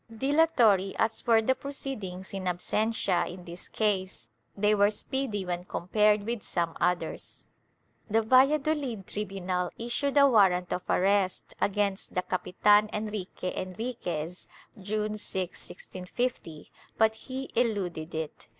Dilatory as were the proceedings in absentia in this case, they were speedy when compared with some others. The Valladolid tribunal issued a warrant of arrest against the Capitan Enrique Enriquez, June 6, 1650, but he eluded it.